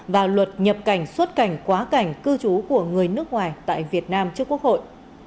và luật nhập cảnh xuất cảnh quá cảnh cư trú của người nước ngoài tại việt nam trước quốc hội